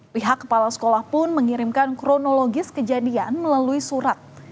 pihak kepala sekolah pun mengirimkan kronologis kejadian melalui surat